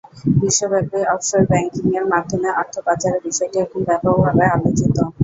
বিশ্বব্যাপী অফশোর ব্যাংকিংয়ের মাধ্যমে অর্থ পাচারের বিষয়টি এখন ব্যাপকভাবে আলোচিত।